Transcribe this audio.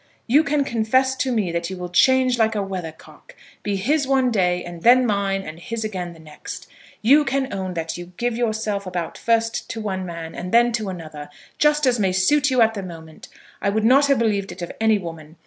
You can confess to me that you will change like a weathercock; be his one day, and then mine, and his again the next! You can own that you give yourself about first to one man, and then to another, just as may suit you at the moment! I would not have believed it of any woman.